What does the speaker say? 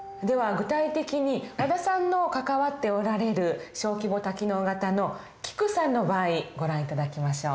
具体的に和田さんの関わっておられる小規模多機能型のキクさんの場合ご覧頂きましょう。